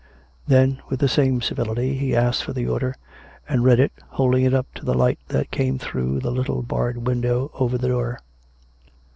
Then, with the same civility, he asked for the order, and read it, holding it up to the light that came through the little barred window over the door.